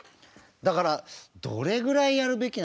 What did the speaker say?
だからどれぐらいやるべきなのかな。